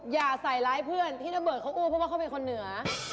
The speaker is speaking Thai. อย่าใส่ร้ายเพื่อนที่ระเบิดเขาอู้เพราะว่าเขาเป็นคนเหนือ